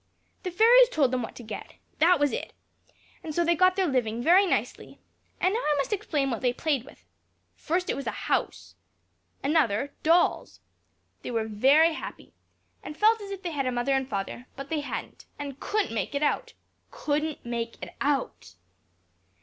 The fairies told them what to get that was it! and so they got their living Very nicely. And now I must explain what they played with. First was a house. A house. Another, dolls. They were very happy, and felt as if they had a mother and father; but they hadn't, and couldn't make it out. _Couldn't make it out!